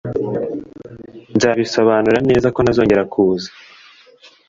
Nzabisobanura neza ko ntazongera kuza.